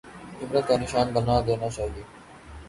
عبرت کا نشان بنا دینا چاہیے؟